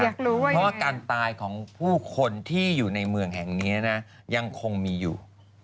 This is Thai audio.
เพราะว่าการตายของผู้คนที่อยู่ในเมืองแห่งนี้นะยังคงมีอยู่